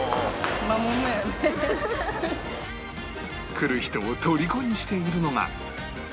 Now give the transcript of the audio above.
来る人をとりこにしているのが